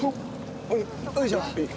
よいしょ。